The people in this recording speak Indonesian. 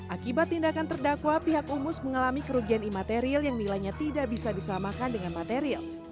akibat tindakan terdakwa pihak umus mengalami kerugian imaterial yang nilainya tidak bisa disamakan dengan material